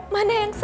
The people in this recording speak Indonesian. mana yang benar